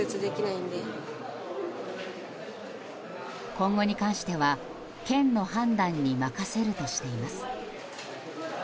今後に関しては県の判断に任せるとしています。